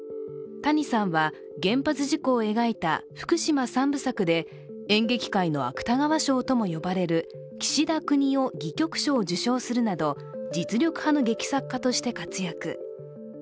谷さんは原発事故を描いた福島三部作で演劇界の芥川賞とも呼ばれる岸田國士戯曲賞を受賞するなど実力派の劇作家として活躍。